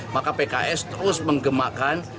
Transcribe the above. maka pks terus mengemakan